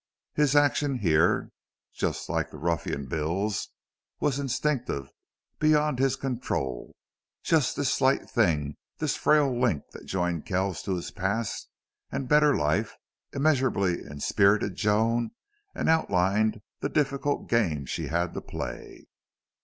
His action here, just like the ruffian Bill's, was instinctive, beyond his control. Just this slight thing, this frail link that joined Kells to his past and better life, immeasurably inspirited Joan and outlined the difficult game she had to play.